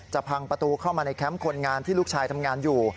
พังประตูเข้ามาในแคมป์คนงานที่ลูกชายทำงานอยู่